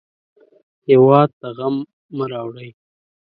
هېواد ته غم مه راوړئ